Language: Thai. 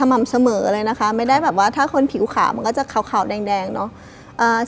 ม่ำเสมอเลยนะคะไม่ได้แบบว่าถ้าคนผิวขาวมันก็จะขาวแดงเนาะ